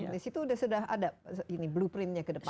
di situ sudah ada ini blueprintnya ke depan